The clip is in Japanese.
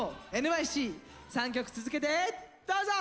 「ＮＹＣ」３曲続けてどうぞ！